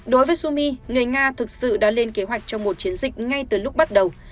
đối với sumi người nga thực sự đã lên kế hoạch cho một chiến dịch ngay từ lúc bắt đầu